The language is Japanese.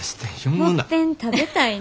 「もっぺん食べたいな」。